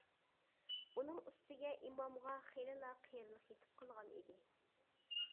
ئۇنىڭ ئۈستىگە ئىمامغا خېلىلا قېرىلىق يېتىپ قالغان ئىدى.